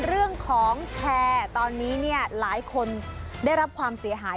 เรื่องของแชร์ตอนนี้เนี่ยหลายคนได้รับความเสียหาย